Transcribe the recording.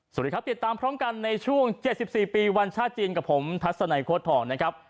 สวัสดีครับติดตามพร้อมกันในช่วง๗๔ปีวันชาติจีนกับผมทัศนัยโค้ดทองนะครับ